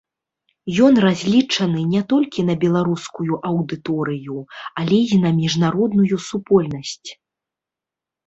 Ён разлічаны не толькі на беларускую аўдыторыю, але і на міжнародную супольнасць.